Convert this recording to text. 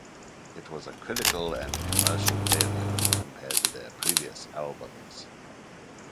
It was a critical and commercial failure compared to their previous albums.